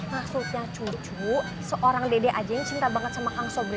maksudnya cucu seorang dede aja yang cinta banget sama kang sobri